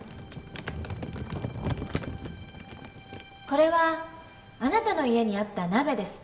これはあなたの家にあった鍋です。